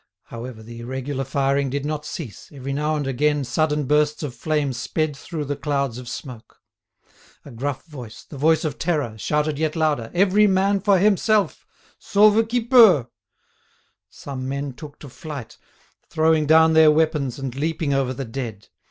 However, the irregular firing did not cease, every now and again sudden bursts of flame sped through the clouds of smoke. A gruff voice, the voice of terror, shouted yet louder: "Every man for himself! Sauve qui peut!" Some men took to flight, throwing down their weapons and leaping over the dead.